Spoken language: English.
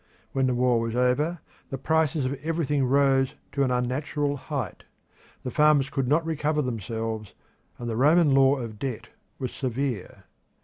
When the war was over the prices of everything rose to an unnatural height; the farmers could not recover themselves, and the Roman law of debt was severe.